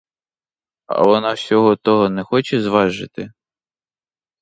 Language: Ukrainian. А вона всього того не хоче зважити?